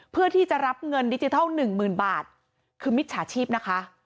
เพื่อที่จะรับเงินดิจิทัลหนึ่งหมื่นบาทคือมิจฉาชีพนะคะ